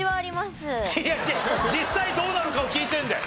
いや実際どうなのかを聞いてんだよ。